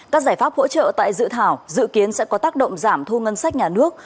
các giải pháp hỗ trợ tại dự thảo dự kiến sẽ có tác động giảm thu ngân sách nhà nước